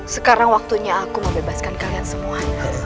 sekarang waktunya aku membebaskan kalian semua